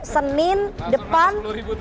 senin depan dua puluh tiga puluh